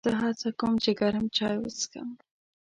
زه هڅه کوم چې ګرم چای وڅښم.